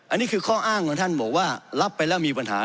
อันนี้คือข้ออ้างของท่านบอกว่ารับไปแล้วมีปัญหา